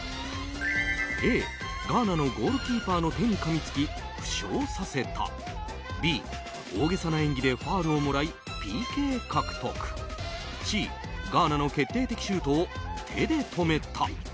Ａ、ガーナのゴールキーパーの手にかみつき負傷させたＢ、大げさな演技でファウルをもらいＰＫ獲得Ｃ、ガーナの決定的シュートを手で止めた。